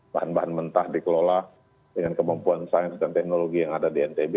bahan bahan mentah dikelola dengan kemampuan sains dan teknologi yang ada di ntb